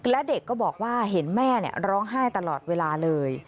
และเด็กก็บอกว่าเห็นแม่ร้องไห้ตลอดเวลาเลย